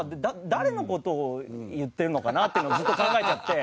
誰の事を言ってるのかな？っていうのをずっと考えちゃって。